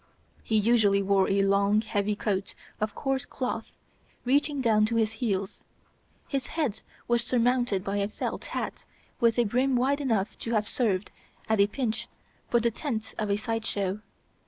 He usually wore a long, heavy, coat of coarse cloth, reaching down to his heels. His head was surmounted by a felt hat with a brim wide enough to have served, at a pinch, for the tent of a side show.